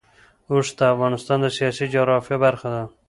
اوښ د افغانستان د سیاسي جغرافیه برخه ده.